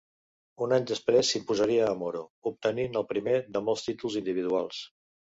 Un any després s'imposaria a Moro, obtenint el primer de molts títols individuals.